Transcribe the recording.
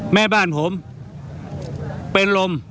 แม่บ้านผมเป็นลม